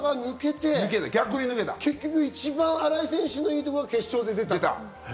かたさが抜けて、一番、新井選手のいいところが決勝で出た。